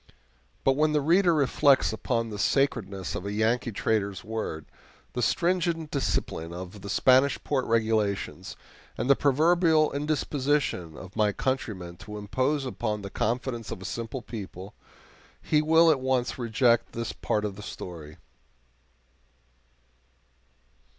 But when the reader reflects upon the sacredness of a Yankee trader's word, the stringent discipline of the Spanish port regulations, and the proverbial indisposition of my countrymen to impose upon the confidence of a simple people, he will at once reject this part of the story.